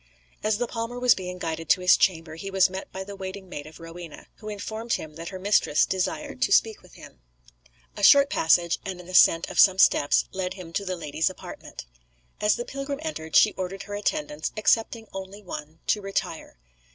As the palmer was being guided to his chamber he was met by the waiting maid of Rowena, who informed him that her mistress desired to speak with him. A short passage and an ascent of some steps led him to the lady's apartment. As the pilgrim entered she ordered her attendants, excepting only one, to retire.